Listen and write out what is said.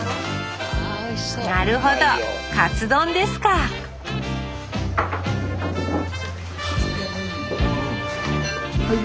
なるほどカツ丼ですかうん！